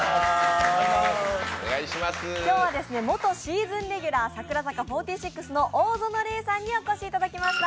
今日は元シーズンレギュラー、櫻坂４６の大園玲さんにお越しいただきました。